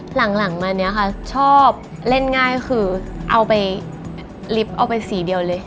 หลังมาเนี่ยค่ะชอบเล่นง่ายคือเอาไปลิฟต์เอาไปสีเดียวเลย